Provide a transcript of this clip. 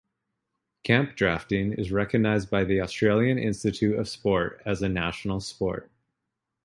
Campdrafting is recognised by the Australian Institute of Sport as a national sport.